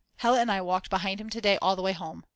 Hella and I walked behind him to day all the way home.